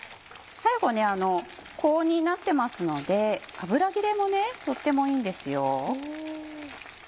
最後高温になってますので油切れもとってもいいんですよ。